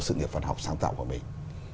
sự nghiệp văn học sáng tạo của mình